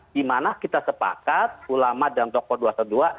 dimana kita sepakat ulama dan tokoh dua ratus dua belas